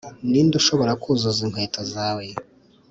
ninde ushobora kuzuza inkweto zawe